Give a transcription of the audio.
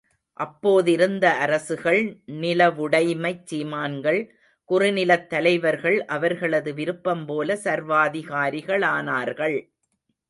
அப்போதிருந்த அரசுகள், நிலவுடைமைச் சீமான்கள், குறுநிலத் தலைவர்கள் அவர்களது விருப்பம்போல சர்வாதிகாரிகளானார்கள்.